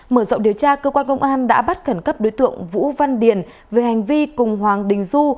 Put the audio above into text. mở rộng điều tra cơ quan công an đã bắt khẩn cấp đối tượng vũ văn điền về hành vi cùng hoàng đình du